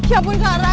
ya ampun kelara